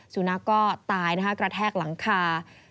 สุนัขก็ตายนะคะกระแทกหลังคา